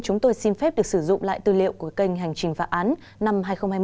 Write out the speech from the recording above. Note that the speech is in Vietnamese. chúng tôi xin phép được sử dụng lại tư liệu của kênh hành trình phá án năm hai nghìn hai mươi